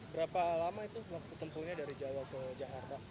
berapa lama itu waktu tempurnya dari jawa ke jakarta